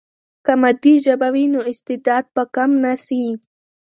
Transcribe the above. که مادي ژبه وي، نو استعداد به کم نه سي.